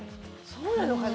そうなのかな。